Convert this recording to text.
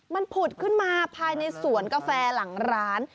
มันผุดขึ้นมาภายในสวนกาแฟหลังร้าน